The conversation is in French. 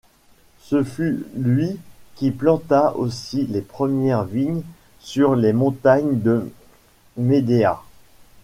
Ce fut lui qui planta aussi les premières vignes sur les montagnes de Médéah.